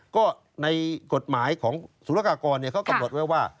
ก็ในกฎหมายของสุรกากรเขากำหนดไว้ว่า